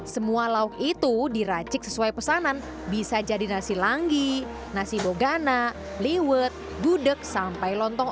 semua lauk itu diracik sesuai pesanan bisa jadi nasi langgi nasi bogana liwet gudeg sampai lontong